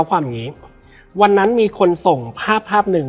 และวันนี้แขกรับเชิญที่จะมาเชิญที่เรา